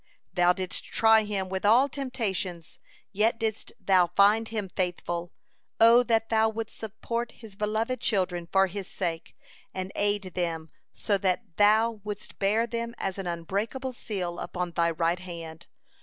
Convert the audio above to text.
Thou didst try him with all temptations, yet didst Thou find him faithful. O that Thou wouldst support his beloved children for his sake, and aid them, so that Thou wouldst bear them as an unbreakable seal upon Thy right hand.